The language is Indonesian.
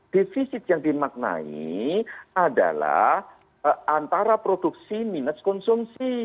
defisit yang dimaknai adalah antara produksi minus konsumsi